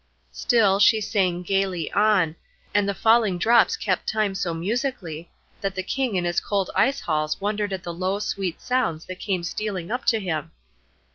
Still she sang gayly on, and the falling drops kept time so musically, that the King in his cold ice halls wondered at the low, sweet sounds that came stealing up to him.